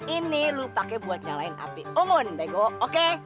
ini lo pake buat nyalain api unggun dego oke